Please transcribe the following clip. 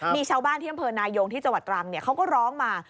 มีชาวบ้านที่อำเภอนายงที่จังหวัดตรังเขาก็ร้องมา